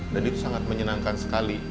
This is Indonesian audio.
dan itu sangat menyenangkan sekali